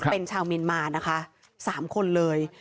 เป็นชาวเมียนมานะคะ๓คนเลย